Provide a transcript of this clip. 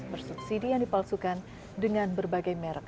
bersubsidi yang dipalsukan dengan berbagai merek